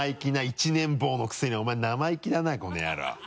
１年坊のくせにお前生意気だなコノヤロウ。